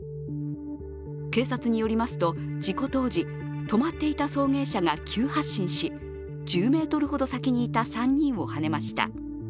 警察によりますと、事故当時止まっていた送迎車が急発進し１０ｍほど先にいた３人をはねました。